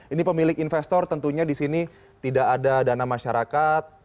ini pemilik investor tentunya di sini tidak ada dana masyarakat